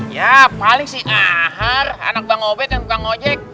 ya paling si ahar anak bang obed yang bukan ngojek